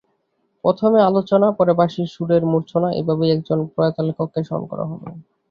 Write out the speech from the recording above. প্রথমে আলোচনা, পরে বাঁশির সুরের মূর্ছনা—এভাবেই একজন প্রয়াত লেখককে স্মরণ করা হলো।